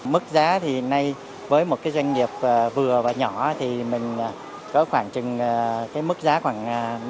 mức giá thì nay với một doanh nghiệp vừa và nhỏ thì mình có khoảng trừng mức giá khoảng năm trăm linh